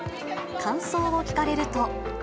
感想を聞かれると。